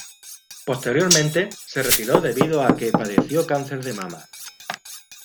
Posteriormente, se retiró debido a que padeció cáncer de mama.